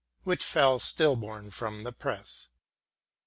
which fell still born from the press.